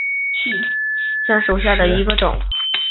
芋形笔螺为笔螺科芋笔螺属下的一个种。